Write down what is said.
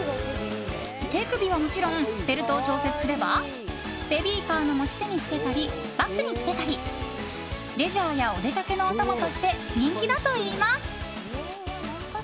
手首はもちろんベルトを調節すればベビーカーの持ち手につけたりバッグにつけたりレジャーやおでかけのお供として人気だといいます。